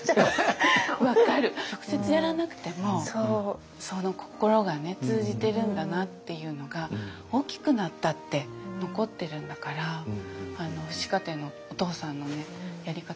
直接やらなくてもその心がね通じてるんだなっていうのが大きくなったって残ってるんだから父子家庭のお父さんのねやり方